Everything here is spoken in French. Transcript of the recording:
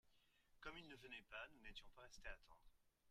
Comme il ne venait pas, nous n'étions pas restés attendre.